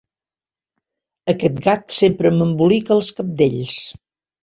Aquest gat sempre m'embolica els cabdells!